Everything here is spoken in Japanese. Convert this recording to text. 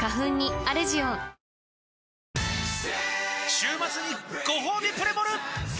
週末にごほうびプレモル！